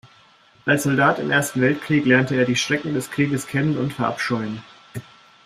Als Soldat im Ersten Weltkrieg lernte er die Schrecken des Krieges kennen und verabscheuen.